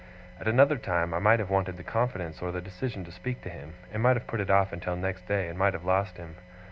At another time I might have wanted the confidence or the decision to speak to him, and might have put it off until next day, and might have lost him.